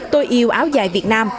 tôi yêu áo dài việt nam